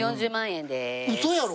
ウソやろ？